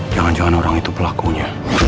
jangan jangan orang itu pelakunya